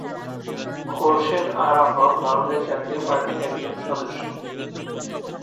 খোরশেদ আরা হক বাংলাদেশ জাতীয় পার্টির একজন সদস্য।